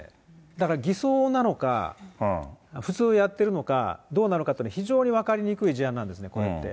だから偽装なのか、普通やってるのか、どうなのかっていうのは、非常に分かりにくい事案なんですね、これって。